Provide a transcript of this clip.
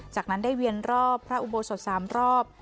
จากนั้นได้เวียนรอบพระอุโบสถ๓รอบ